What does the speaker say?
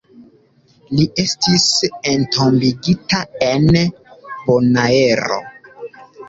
Li estis entombigita en Bonaero.